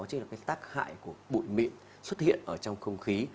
đó là cái tác hại của bụi mịn xuất hiện ở trong không khí